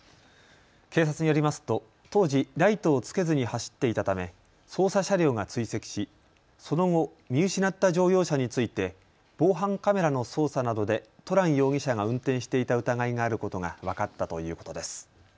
警察によりますと当時、ライトをつけずに走っていたため捜査車両が追跡しその後、見失った乗用車について防犯カメラの捜査などでトラン容疑者が運転していた疑いがあることが分かったということです。